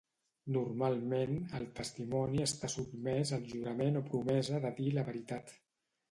Normalment el testimoni està sotmès al jurament o promesa de dir la veritat.